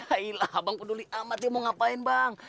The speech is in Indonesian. ayolah abang peduli amat ya mau ngapain bang